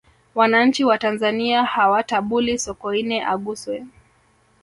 wananchi wa tanzania hawatabuli sokoine aguswe